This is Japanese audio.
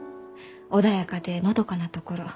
穏やかでのどかなところ。